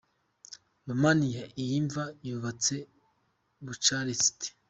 Roumanie : Iyi mva yubatse Bucarest.